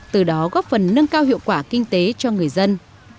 từ đó góp phần nâng cao hiệu quả kinh tế cho người dân